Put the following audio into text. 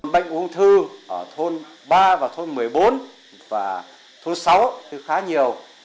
bệnh uống thư ở thôn ba và thôn một mươi bốn và thôn sáu thì khá nhiều